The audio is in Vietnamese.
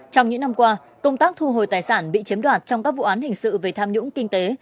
trong những năm qua công tác thu hồi tài sản bị chiếm đoạt trong các vụ án hình sự về tham nhũng kinh tế